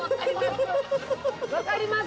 分かります